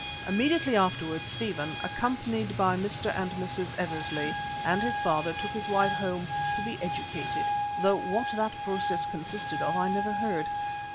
Immediately afterwards Stephen, accompanied by Mr. and Mrs. Eversley and his father, took his wife home "to be educated," though what that process consisted of I never heard.